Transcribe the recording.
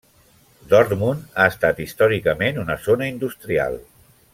Dortmund ha estat històricament una zona industrial.